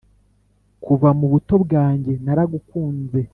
kuva mu buto bwanjye naragukunze